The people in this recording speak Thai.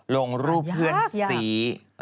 ลงรูปเพื่อนสี